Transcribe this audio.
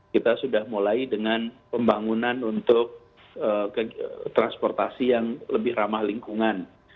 kita sudah mulai dengan pembangunan untuk transportasi yang lebih ramah lingkungan